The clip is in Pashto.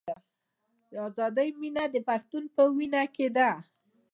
د ازادۍ مینه د پښتون په وینه کې ده.